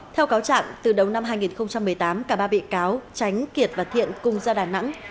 theo cáo trạng từ đầu năm hai nghìn một mươi tám cả ba bị cáo tránh kiệt và thiện cùng ra đà nẵng